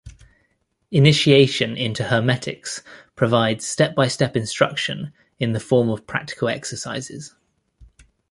"Initiation into Hermetics" provides step-by-step instruction in the form of practical exercises.